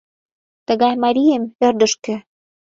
— Тыгай марийым — ӧрдыжкӧ!